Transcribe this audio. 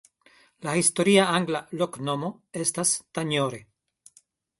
La historia angla loknomo estas "Tanjore".